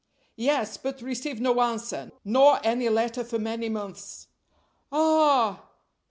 "Yes! but received no answer, nor any letter for many months." "Ah!"